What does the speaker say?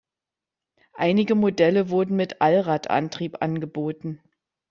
Einige Modelle wurden mit Allradantrieb angeboten.